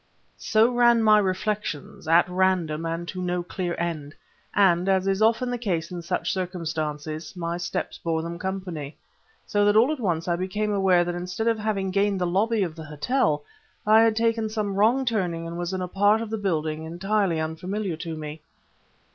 So ran my reflections at random and to no clear end; and, as is often the case in such circumstances, my steps bore them company; so that all at once I became aware that instead of having gained the lobby of the hotel, I had taken some wrong turning and was in a part of the building entirely unfamiliar to me.